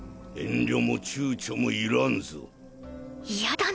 遠慮も躊躇もいらんぞ。